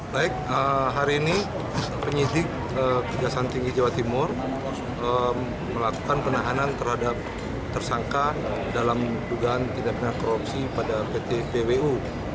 baik hari ini penyidik kejaksaan tinggi jawa timur melakukan penahanan terhadap tersangka dalam dugaan tidak pernah korupsi pada pt pwu